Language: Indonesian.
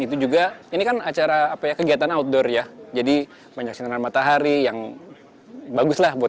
itu juga ini kan acara apa ya kegiatan outdoor ya jadi banyak sinar matahari yang baguslah buat